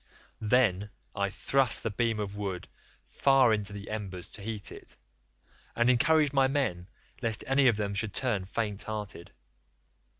Then I thrust the beam of wood far into the embers to heat it, and encouraged my men lest any of them should turn faint hearted.